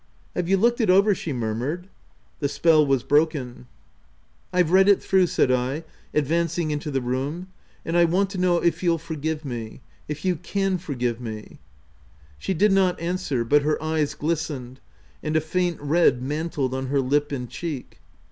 u Have you looked it over ?" she murmured. The spell was broken. 138 THE TENANT " I've read it through," said I, advancing into the room, —" and I want to know if you'll for give me — if you can forgive me ?" She did not answer, but her eyes glistened, and a faint red mantled on her lip and cheek.